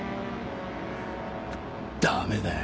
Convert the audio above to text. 駄目だよ。